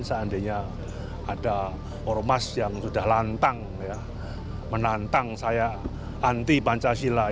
seandainya ada ormas yang sudah lantang menantang saya anti pancasila